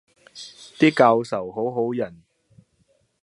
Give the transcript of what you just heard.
啲教授好好人